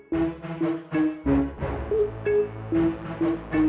kalau gak mau kerja